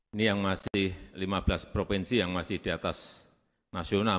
ini yang masih lima belas provinsi yang masih di atas nasional